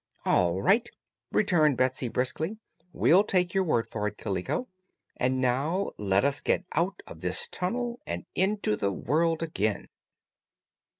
"All right," returned Betsy, briskly, "we'll take your word for it, Kaliko. And now let us get out of this tunnel and into the world again."